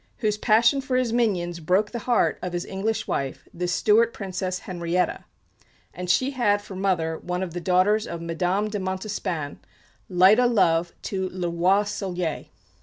whose passion for his minions broke the heart of his English wife, the Stuart Princess Henriettta; and she had for mother one of the daughters of Madame de Montespan, light o' love to le Roi Soleil.